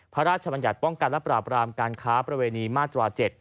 พระราชบัญญัติป้องกันและปราบรามการค้าประเวณีมาตรา๗